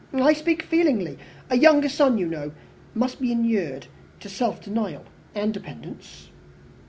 I speak feelingly. A younger son, you know, must be inured to self denial and dependence."